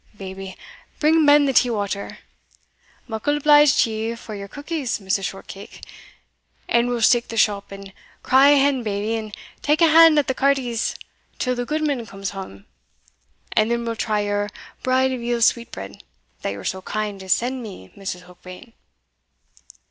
Baby, bring ben the tea water Muckle obliged to ye for your cookies, Mrs. Shortcake and we'll steek the shop, and cry ben Baby, and take a hand at the cartes till the gudeman comes hame and then we'll try your braw veal sweetbread that ye were so kind as send me, Mrs. Heukbane."